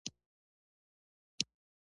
د کدو تخمونه هم خوړل کیږي.